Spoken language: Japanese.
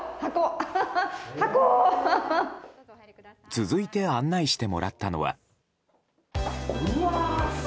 続いて案内してもらったのは。